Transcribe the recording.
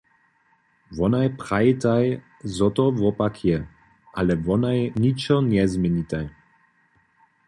Wonaj prajitaj, zo to wopak je, ale wonaj ničo njezměnitaj.